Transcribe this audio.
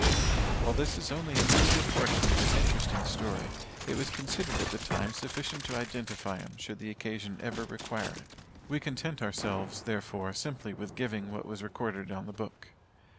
While this is only a meagre portion of his interesting story, it was considered at the time sufficient to identify him should the occasion ever require it. We content ourselves, therefore, simply with giving what was recorded on the book.